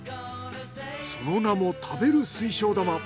その名も食べる水晶玉。